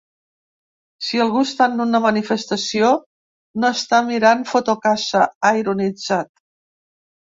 Si algú està en una manifestació, no està mirant Fotocasa, ha ironitzat.